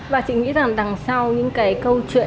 và chị nghĩ rằng đằng sau những cái câu chuyện